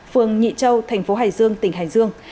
phường nhị châu thành phố hải dương tỉnh hải dương